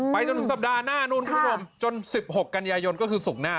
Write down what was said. จนถึงสัปดาห์หน้านู้นคุณผู้ชมจน๑๖กันยายนก็คือศุกร์หน้า